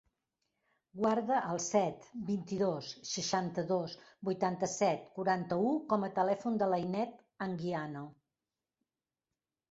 Guarda el set, vint-i-dos, seixanta-dos, vuitanta-set, quaranta-u com a telèfon de l'Ainet Anguiano.